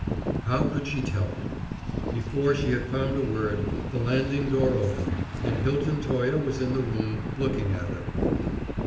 How could she tell him? Before she had found a word, the landing door opened, and Hilton Toye was in the room, looking at her.